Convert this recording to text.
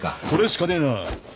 それしかねえな。